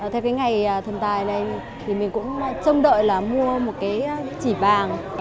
theo cái ngày thần tài này thì mình cũng trông đợi là mua một cái chỉ vàng